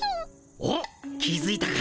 おっ気づいたか！